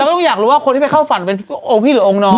ก็ต้องอยากรู้ว่าคนที่ไปเข้าฝันเป็นองค์พี่หรือองค์น้อง